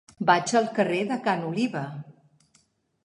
Vaig al carrer de Ca n'Oliva.